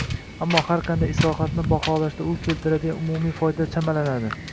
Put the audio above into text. Ammo, har qanday islohotni baholashda u keltiradigan umumiy foyda chamalanadi.